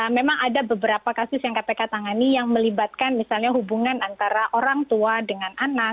memang ada beberapa kasus yang kpk tangani yang melibatkan misalnya hubungan antara orang tua dengan anak